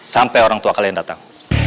sampai orang tua kalian datang